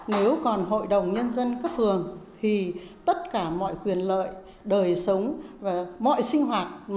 nếu còn hội đồng nhân dân các phường thì tất cả mọi quyền lợi đời sống mọi sinh hoạt